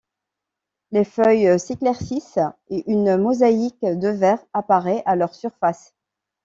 Les feuilles s’éclaircissent et une mosaïque de vert apparaît à leur surface.